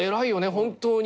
本当に。